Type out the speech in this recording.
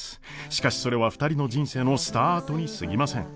しかしそれは２人の人生のスタートにすぎません。